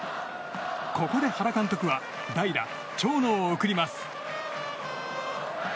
ここで原監督は代打、長野を送ります。